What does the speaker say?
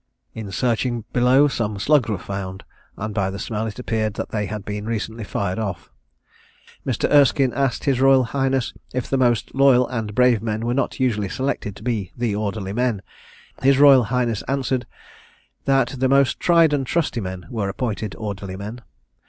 In searching below, some slugs were found; and by the smell, it appeared that they had been recently fired off. Mr. Erskine asked his royal highness if the must loyal and brave men were not usually selected to be the orderly men. His royal highness answered, that the most tried and trusty men were appointed orderly men.